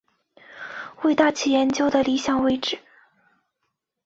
为大气研究的理想位置。